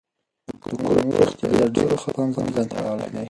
د کولمو روغتیا د ډېرو خلکو پام ځان ته اړولی دی.